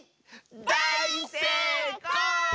だいせいこう！